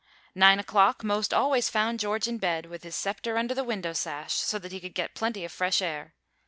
Nine o'clock most always found George in bed, with his sceptre under the window sash, so that he could get plenty of fresh air.